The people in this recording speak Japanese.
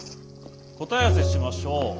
答え合わせしましょう。